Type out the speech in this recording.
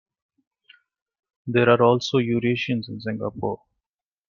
There are also Eurasians in Singapore.